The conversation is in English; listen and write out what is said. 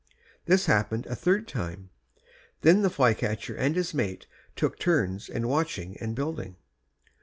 This happened a third time; then the flycatcher and his mate took turns in watching and building.